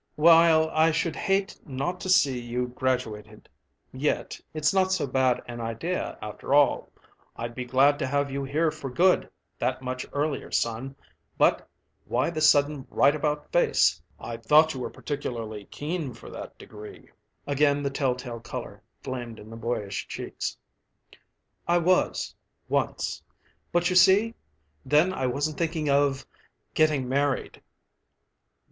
"While I should hate not to see you graduated, yet it's not so bad an idea, after all. I'd be glad to have you here for good that much earlier, son. But why this sudden right about face? I thought you were particularly keen for that degree." Again the telltale color flamed in the boyish cheeks. "I was once. But, you see, then I wasn't thinking of getting married."